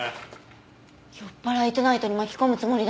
酔っ払いトゥナイトに巻き込むつもりだ。